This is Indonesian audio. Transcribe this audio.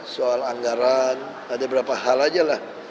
soal anggaran ada berapa hal aja lah